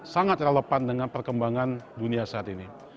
sangat relevan dengan perkembangan dunia saat ini